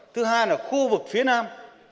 thứ hai là khu vực phía nam